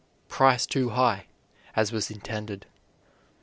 Price too high," as was intended.